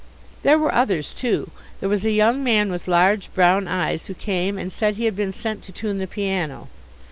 There were others too. There was a young man with large brown eyes who came and said he had been sent to tune the piano.